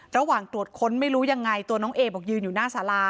ระหว่างตรวจค้นไม่รู้ยังไงตัวน้องเอบอกยืนอยู่หน้าสารา